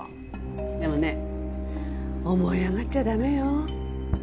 でもね思い上がっちゃ駄目よ。